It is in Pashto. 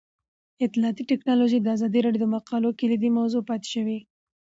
اطلاعاتی تکنالوژي د ازادي راډیو د مقالو کلیدي موضوع پاتې شوی.